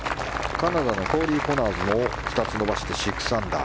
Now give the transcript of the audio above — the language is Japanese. カナダのコーリー・コナーズも２つ伸ばして６アンダー。